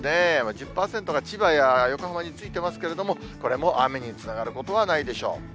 １０％が千葉や横浜についていますけれども、これも雨につながることはないでしょう。